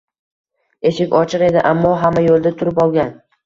Eshik ochiq edi, ammo hamma yo’lda turib olgan.